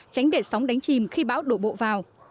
tránh để sóng đánh chìm khi bão đổ bộ vào